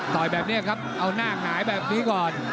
ต่อยแบบเนี่ยครับเอาน่ากหายแบบนี้ก่อน